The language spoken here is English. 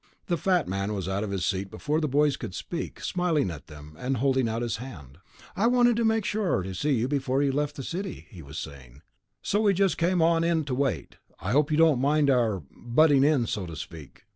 The fat man was out of his seat before the boys could speak, smiling at them and holding out his hand. "I wanted to be sure to see you before you left the city," he was saying, "so we just came on in to wait. I hope you don't mind our ... butting in, so to speak."